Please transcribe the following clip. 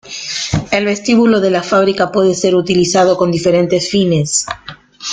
El vestíbulo de la fábrica puede ser utilizado con diferentes fines.